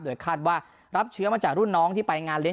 คาดว่ารับเชื้อมาจากรุ่นน้องที่ไปงานเลี้ย